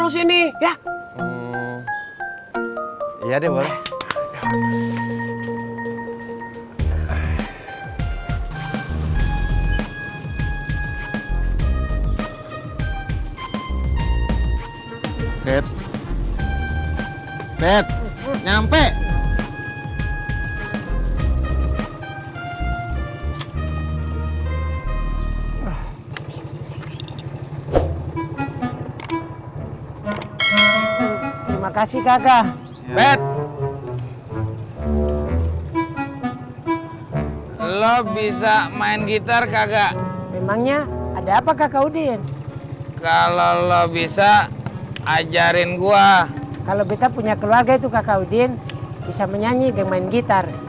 saya tidak ada masa untuk menyindir